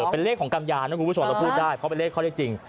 เออเป็นเลขของกำยานนะครูผู้ชมเราพูดได้เพราะเป็นเลขเขาเลขจริงอ๋อ